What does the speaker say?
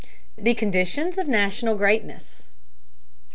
THE CONDITIONS OF NATIONAL GREATNESS.